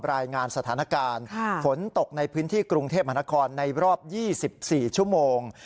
รายงานสถานการณ์ฝนตกในพื้นที่กรุงเทพมหานครในรอบ๒๔ชั่วโมง